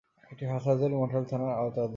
এটি হাটহাজারী মডেল থানার আওতাধীন।